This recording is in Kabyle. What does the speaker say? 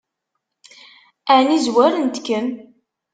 Ɛni zwarent-kem?